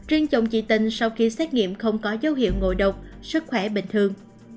riêng chồng chị tình sau khi xét nghiệm không có dấu hiệu ngộ độc sức khỏe bình thường